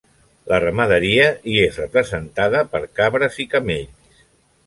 La ramaderia hi és representada per cabres i camells.